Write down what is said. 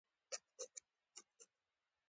د چارج واحد کولم دی.